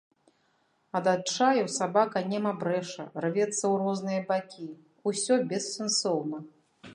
Ад адчаю сабака нема брэша, рвецца ў розныя бакі, усё бессэнсоўна.